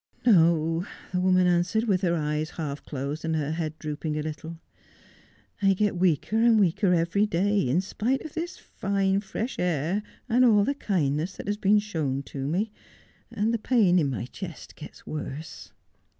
'No,' the woman answered, with her eyes half closed, >and her head drooping a little. ' I get weaker and weaker every day, in spite of this fine fresh air and all the kindness that bas been shown to me. And the pain in my chest gets worse.'